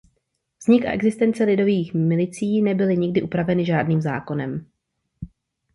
Vznik a existence Lidových milicí nebyly nikdy upraveny žádným zákonem.